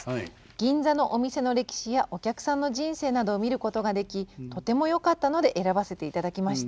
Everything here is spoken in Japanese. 「銀座のお店の歴史やお客さんの人生などを見ることができとてもよかったので選ばせていただきました。